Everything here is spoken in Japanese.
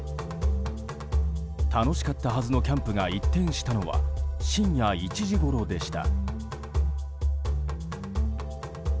楽しかったはずのキャンプが一転したのは深夜１時ごろでした。